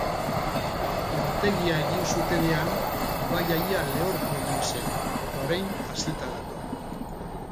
Urtegia egin zutenean ibaia ia lehortu egin zen, eta orain hazita dator.